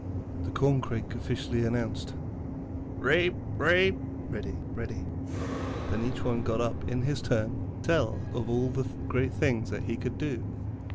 The Corncrake officially announced, 'Raip, raip' (ready, ready). Then each one got up in his turn to tell of all the great things he could do.